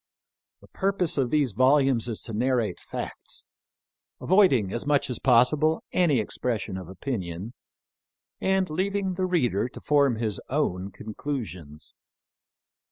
The purpose of these volumes is to narrate facts, avoiding as much as possible any expression of opinion, and leaving the reader to form his own con clusions.